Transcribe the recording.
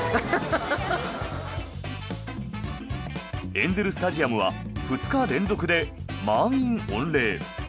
エンゼル・スタジアムは２日連続で満員御礼。